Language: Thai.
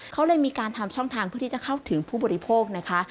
เขาเลยมีการทำช่องทางเพื่อที่จะเข้าถึงผู้บริโภคนะคะ